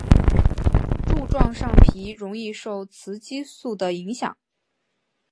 柱状上皮容易受雌激素的影响。